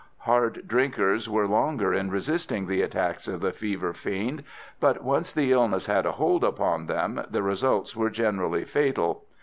Hard drinkers were longer in resisting the attacks of the fever fiend, but once the illness got a hold upon them, the results were generally fatal.